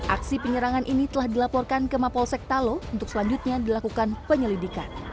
aksi penyerangan ini telah dilaporkan ke mapolsek talo untuk selanjutnya dilakukan penyelidikan